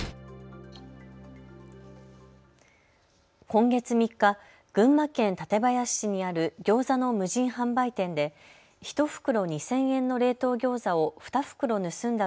今月３日、群馬県館林市にあるギョーザの無人販売店で１袋２０００円の冷凍ギョーザを２袋盗んだ